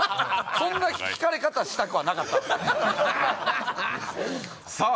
そんなひかれ方したくはなかったんすけどさあ